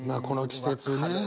この季節ね。